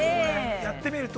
やってみると。